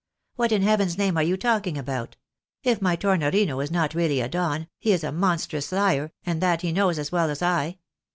" What, in heaven's name, are you talking about ? If my Tornorino is not really a Don, he is a monstrous liar, and that he knows as well as I.